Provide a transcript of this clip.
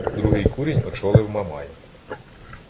Другий курінь очолив Мамай.